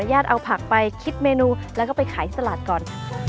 ขออนุญาตเอาผักไปคิดเมนูแล้วก็ไปขายสลัดก่อน